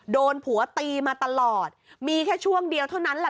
โดนผัวตีมาตลอดมีแค่ช่วงเดียวเท่านั้นแหละ